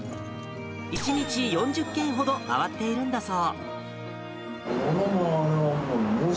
１日４０軒ほど、回っているんだそう。